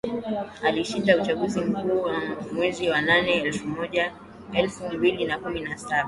Alishinda uchaguzi mkuu wa mwezi wa nane mwaka elfu mbili na kumi na saba